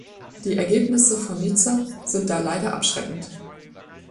Die Ergebnisse von Nizza sind da leider abschreckend.